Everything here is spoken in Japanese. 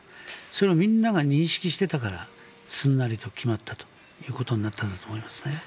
それをみんなが認識してたからすんなりと決まったということになったんだと思いますね。